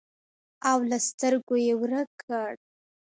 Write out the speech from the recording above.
او له سترګو یې ورک کړ.